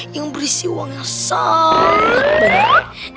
yang berisi uang yang sangat banyak